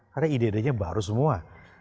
karena ide idenya baru semua